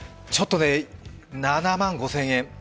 ちょっとね、７万５０００円。